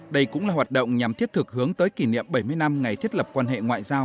đây cũng là hoạt động nhằm thiết thực hướng tới kỷ niệm bảy mươi năm ngày thiết lập quan hệ ngoại giao